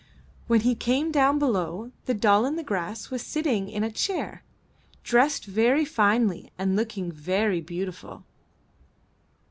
When he came down below, the Doll i' the Grass was sitting in a chair, dressed very finely and looking very beautiful.